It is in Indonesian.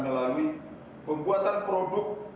melalui pembuatan produk